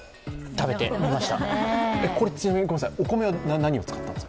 食べてみました。